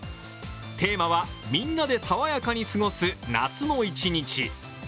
テーマは、みんなでさわやかに過ごす夏の一日。